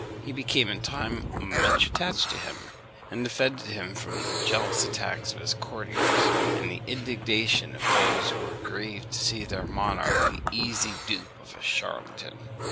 He became in time much attached to him; and defended him from the jealous attacks of his courtiers, and the indignation of those who were grieved to see their monarch the easy dupe of a charlatan.